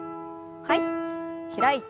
はい。